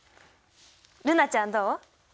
瑠菜ちゃんどう？